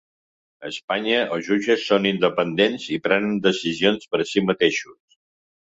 A Espanya els jutges són independents i prenen decisions per si mateixos.